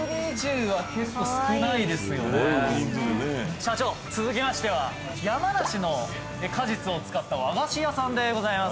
社長続きましては山梨の果実を使った和菓子屋さんでございます。